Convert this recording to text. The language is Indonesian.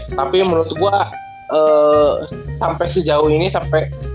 tapi menurut gue sampai sejauh ini sampai